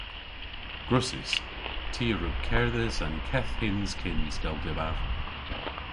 Gwrussys. Ty a wrug kerdhes an keth hyns kyns dell dybav.